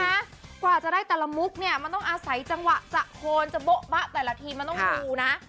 กว่าจะได้แต่ละมุกเนี่ยมันต้องอาศัยจังหวะจะโคนจะโบ๊ะบะแต่ละทีมันต้องดูนะ